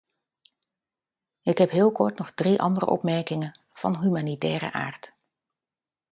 Ik heb heel kort nog drie andere opmerkingen van humanitaire aard.